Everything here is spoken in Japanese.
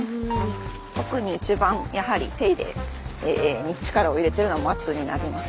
特に一番やはり手入れに力を入れてるのは松になります。